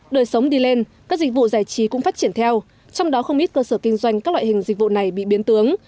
đời sống đi lên các dịch vụ giải trí cũng phát triển theo trong đó không ít cơ sở kinh doanh các loại hình dịch vụ này bị biến tướng